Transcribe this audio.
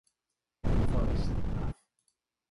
Forest, Av.